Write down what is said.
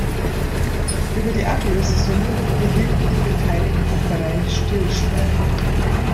Über die Ablösesumme behielten die beteiligten Vereine Stillschweigen.